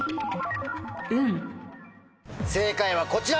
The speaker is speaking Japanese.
正解はこちら。